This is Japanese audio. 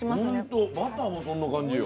バターもそんな感じよ。